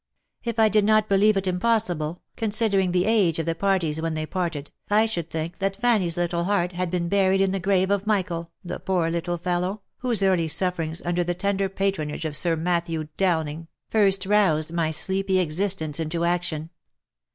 If I did not believe it impossible, considering the age of the parties when they parted, I should think that Fanny's little heart had been buried in the grave of Michael, the poor little fellow, whose early sufferings under the tender patronage of Sir Mat thew Dowling, first roused my sleepy existence into action.